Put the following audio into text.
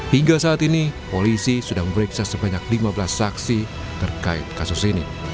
hingga saat ini polisi sudah memeriksa sebanyak lima belas saksi terkait kasus ini